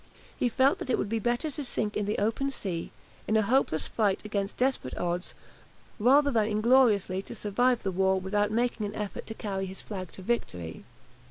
He felt that it would be better to sink in the open sea, in a hopeless fight against desperate odds, rather than ingloriously to survive the war, without making an effort to carry his flag to victory.